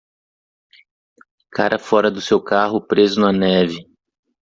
Cara fora do seu carro preso na neve.